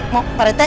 mau pak rete